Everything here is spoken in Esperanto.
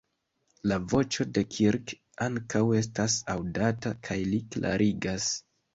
La voĉo de Kirk ankaŭ estas aŭdata, kaj li klarigas.